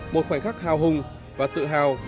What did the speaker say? một khoảnh khắc hào hùng và tự hào mãi không quên